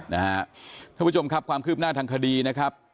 ท่านผู้ชมครับความคืบหน้าทางคดีนะครับ